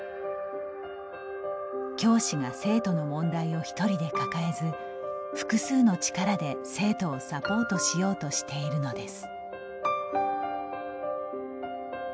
教師が生徒の問題を一人で抱えず複数の力で生徒をサポートしようとしているのです。